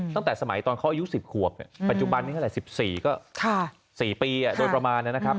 ตั้งแต่สมัยตอนเขาอายุ๑๐ขวบปัจจุบันนี้เท่าไหร่๑๔ก็๔ปีโดยประมาณนะครับ